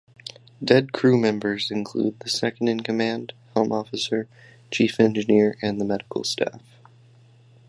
Dead crew members include the second-in-command, helm officer, chief engineer, and the medical staff.